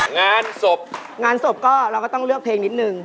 งานศพงานศพก็เราก็ต้องเลือกเพลงนิดนึง